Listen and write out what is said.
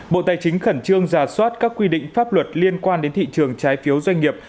bộ tài chính khẩn trương giả soát các quy định pháp luật liên quan đến thị trường trái phiếu doanh nghiệp